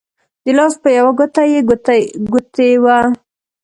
د لاس په يوه ګوته يې ګوتې وه